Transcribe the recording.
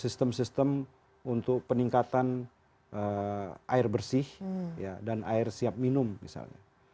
sistem sistem untuk peningkatan air bersih dan air siap minum misalnya